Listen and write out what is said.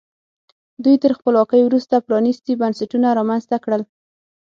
دوی تر خپلواکۍ وروسته پرانیستي بنسټونه رامنځته کړل.